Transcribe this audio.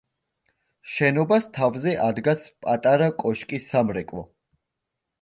შენობას თავზე ადგას პატარა კოშკი-სამრეკლო.